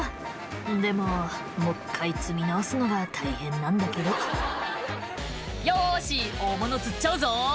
「でももう１回積み直すのは大変なんだけど」「よし大物釣っちゃうぞ」